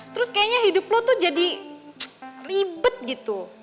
terus kayaknya hidup lo tuh jadi ribet gitu